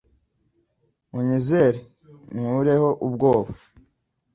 unyizere, nkureho ubwoba.